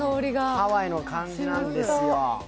ハワイの感じなんですわ。